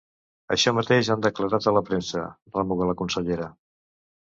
Això mateix han declarat a la premsa —remuga la consellera.